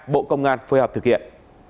bộ công an phối hợp thực hiện